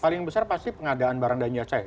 paling besar pasti pengadaan barang dan jasa